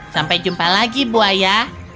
sampai jumpa lagi buaya